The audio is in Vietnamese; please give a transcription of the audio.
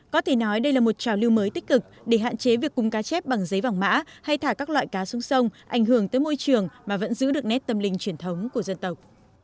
có thể nói đây là một trào lưu mới tích cực để hạn chế việc cung cá chép bằng giấy vòng mã hay thả các loại cá xuống sông ảnh hưởng tới môi trường mà vẫn giữ được nét tâm linh truyền thống của dân tộc